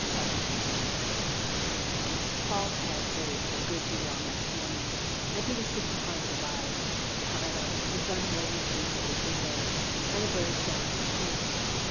CHAPTER II Paul's head ached a good deal next morning and he was disinclined to rise. However, the sun blazed in at his windows, and a bird sang in a tree.